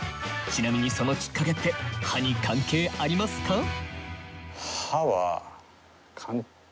ちなみにそのきっかけって歯に関係ありますか？